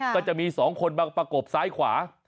ก็จะมี๒คนมาประกบซ้ายขวา